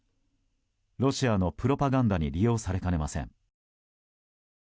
ロシアのプロパガンダに利用されかねません。